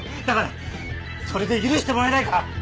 だからそれで許してもらえないか？